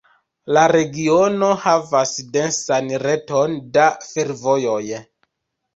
La regiono havas densan reton da fervojoj.